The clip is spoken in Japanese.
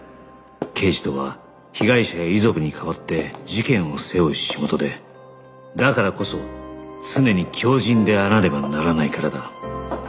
刑事とは被害者や遺族に代わって事件を背負う仕事でだからこそ常に強靱であらねばならないからだ